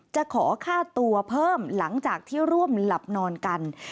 จะขอค่าตัวเพิ่มหลังจากที่ร่วมหลับนอนกัน